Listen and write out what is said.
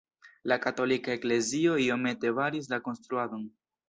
La katolika eklezio iomete baris la konstruadon.